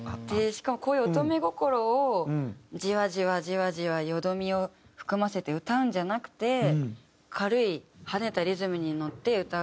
しかもこういう乙女心をじわじわじわじわよどみを含ませて歌うんじゃなくて軽い跳ねたリズムに乗って歌うものなので。